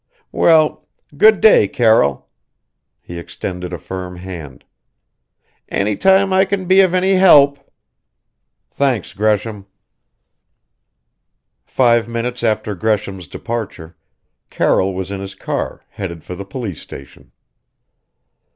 Well, good day, Carroll." He extended a firm hand. "Any time I can be of any help " "Thanks, Gresham." Five minutes after Gresham's departure, Carroll was in his car, headed for the police station.